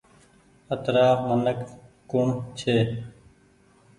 اترآ منک ڪوڻ ڇي۔